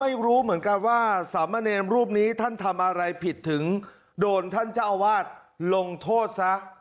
ไม่รู้เหมือนกันว่าสามเณรรูปนี้ท่านทำอะไรผิดถึงโดนท่านเจ้าอาวาสลงโทษซะ